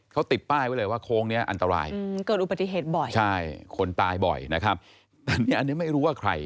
เขาติดป้ายไว้เลยว่าโค้งแถวเนี้ยอันตราย